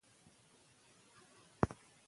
که مورنۍ ژبه وي نو پوهه نه ځنډیږي.